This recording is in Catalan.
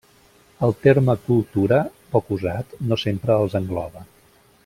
El terme cultura, poc usat, no sempre els engloba.